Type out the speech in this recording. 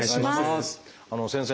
先生。